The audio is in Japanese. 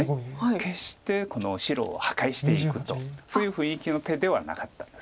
決してこの白を破壊していくとそういう雰囲気の手ではなかったです。